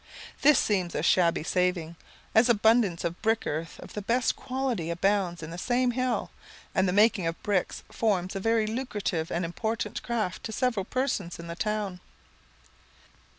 This seems a shabby saving, as abundance of brick earth of the best quality abounds in the same hill, and the making of bricks forms a very lucrative and important craft to several persons in the town.